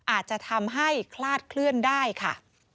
อาจจะทำให้คลาดเคลื่อนได้ค่ะ